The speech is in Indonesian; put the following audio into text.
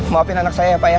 maafin anak saya ya pak ya